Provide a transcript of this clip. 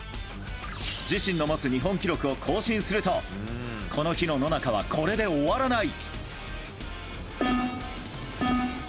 自身の持つ日本記録を更新するとこの日の野中はこれで終わらない。